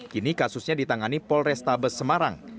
kini kasusnya ditangani polrestabes semarang